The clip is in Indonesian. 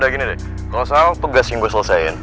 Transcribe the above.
kalau salah tugas yang gue selesaikan